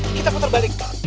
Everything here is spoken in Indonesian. kita putar balik